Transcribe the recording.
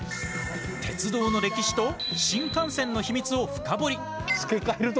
鉄道の歴史と新幹線の秘密を深掘り。